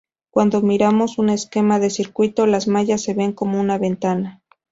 Cuando miramos un esquema de circuito, las mallas se ven como una ventana.